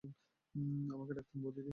আমাকে ডাকতেন বউদিদি বলে।